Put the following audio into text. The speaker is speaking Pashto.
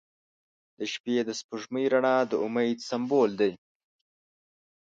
• د شپې د سپوږمۍ رڼا د امید سمبول دی.